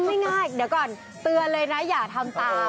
ง่ายเดี๋ยวก่อนเตือนเลยนะอย่าทำตาม